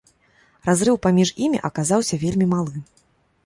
Разрыў паміж імі аказаўся вельмі малы.